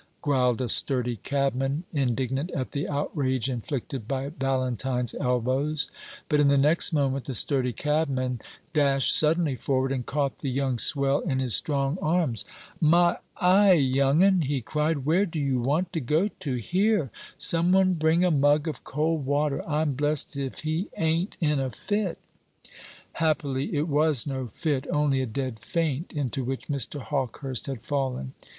growled a sturdy cabman, indignant at the outrage inflicted by Valentine's elbows; but in the next moment the sturdy cabman dashed suddenly forward and caught the young swell in his strong arms. "My eye, young un!" he cried; "where do you want to go to? Here, some one bring a mug of cold water: I'm blest if he ain't in a fit!" Happily it was no fit, only a dead faint into which Mr. Hawkehurst had fallen.